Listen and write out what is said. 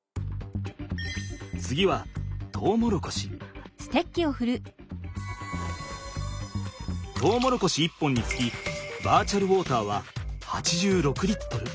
次はトウモロコシ１本につきバーチャルウォーターは８６Ｌ。